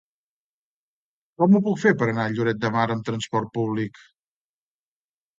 Com ho puc fer per anar a Lloret de Mar amb trasport públic?